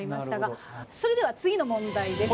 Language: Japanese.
それでは次の問題です。